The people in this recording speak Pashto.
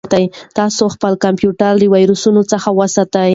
تاسو خپل کمپیوټر له ویروسونو څخه تل وساتئ.